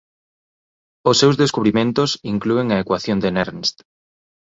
Os seus descubrimentos inclúen a ecuación de Nernst.